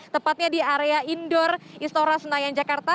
tepatnya di area indoor istora senayan jakarta